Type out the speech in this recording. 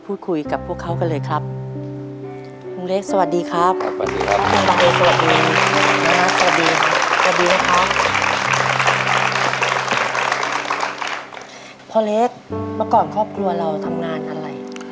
พ่อเล็กเมื่อก่อนครอบครัวเราทำงานอะไร